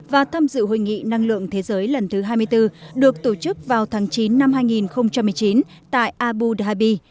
và tham dự hội nghị năng lượng thế giới lần thứ hai mươi bốn được tổ chức vào tháng chín năm hai nghìn một mươi chín tại abu dhabi